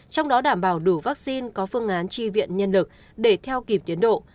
trong đó đảm bảo đủ vaccine có phương án tri viện nhân lực để theo kịp tiến độ